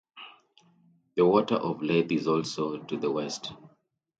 The Water of Leith is also to the west.